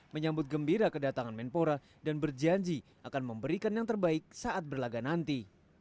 menyambut gembira kedatangan menpora dan berjanji akan memberikan yang terbaik saat berlaga nanti